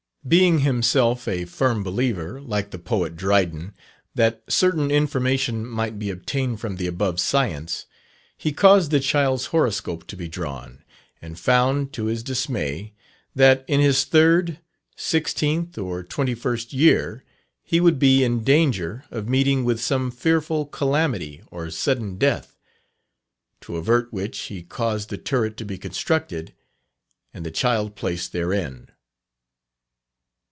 Being himself a firm believer, like the poet Dryden, that certain information might be obtained from the above science, he caused the child's horoscope to be drawn, and found, to his dismay, that in his third, sixteenth, or twenty first year, he would be in danger of meeting with some fearful calamity or sudden death, to avert which he caused the turret to be constructed, and the child placed therein.